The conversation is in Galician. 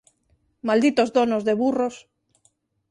Malditos donos de burros.